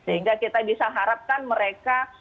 sehingga kita bisa harapkan mereka